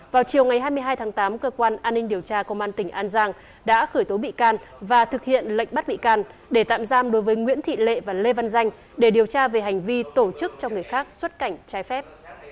vào chiều ngày hai mươi hai tháng tám cơ quan an ninh điều tra công an tỉnh an giang đã khởi tố bị can và thực hiện lệnh bắt bị can để tạm giam đối với nguyễn thị lệ và lê văn danh để điều tra về hành vi tổ chức cho người khác xuất cảnh trái phép